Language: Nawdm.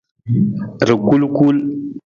Rakulkul.